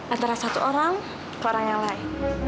antara satu orang ke orang yang lain